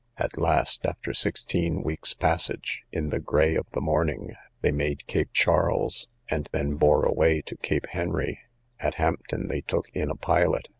At last, after sixteen weeks passage, in the grey of the morning, they made Cape Charles, and then bore away to Cape Henry: at Hampton they took in a pilot.